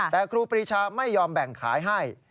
แต่ครูปรีชาไม่ยอมแบ่งขายให้